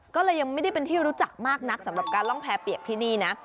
ก็เลยยังไม่ได้เป็นที่รู้จักมากนักสำหรับการล่องแพรเปียกที่นี่นะ